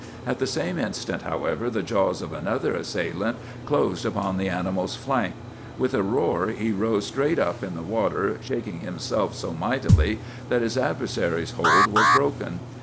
"At the same instant, however, the jaws of another assailant closed upon the animal's flank. With a roar he rose straight up in the water, shaking himself so mightily that his adversary's hold was broken.